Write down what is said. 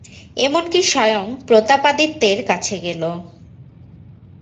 এমন কি স্বয়ং প্রতাপাদিত্যের কাছে গেল।